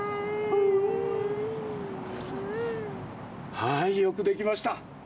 はいよくできました！